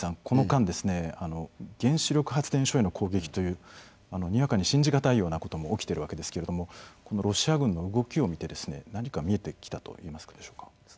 この間ですね原子力発電所への攻撃というにわかに信じがたいようなことも起きているわけですけれどもロシア軍の動きを見てですね何か見えてきたことはありますでしょうか。